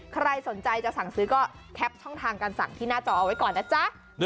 ใครสนใจจะสั่งซื้อก็แคปช่องทางการสั่งที่หน้าจอเอาไว้ก่อนนะจ๊ะ